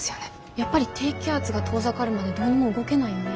やっぱり低気圧が遠ざかるまでどうにも動けないよね。